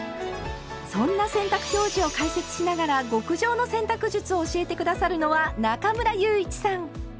そんな洗濯表示を解説しながら極上の洗濯術を教えて下さるのは中村祐一さん。